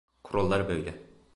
Kurallar böyle.